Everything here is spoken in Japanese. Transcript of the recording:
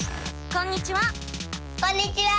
こんにちは。